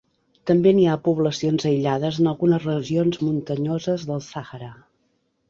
També n'hi ha poblacions aïllades en algunes regions muntanyoses del Sàhara.